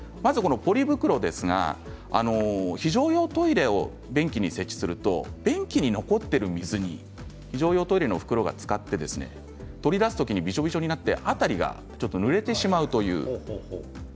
ポリ袋ですが非常用トイレを便器に設置すると便器に残っている水に非常用トイレの袋がつかって取り出す時にびしょびしょになって辺りがぬれてしまうんです。